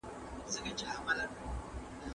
ځوان نسل د ژبې ساتونکي دي.